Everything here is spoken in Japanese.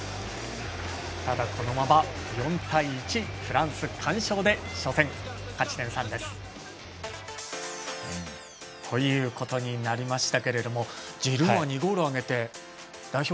ただ、このまま４対１、フランス完勝で初戦、勝ち点３です。ということになりましたけれどもジルーも２ゴール挙げて代表